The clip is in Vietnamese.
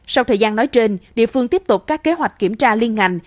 sau thời gian nói trên địa phương tiếp tục các kế hoạch kiểm tra liên ngành